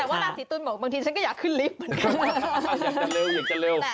แต่ว่าราศิตุลบอกบางทีฉันก็อยากขึ้นลิฟต์เหมือนกัน